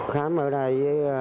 khám ở đây